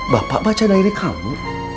bapak baca dairi kamu